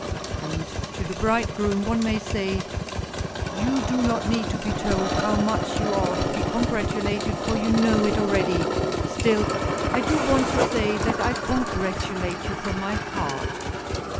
And to the bridegroom one may say,—"You do not need to be told how much you are to be congratulated, for you know it already. Still I do want to say that I congratulate you from my heart."